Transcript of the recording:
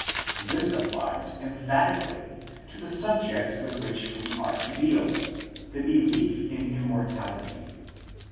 This applies emphatically to the subject with which we are to deal, the belief in Immortality.